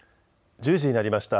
１０時になりました。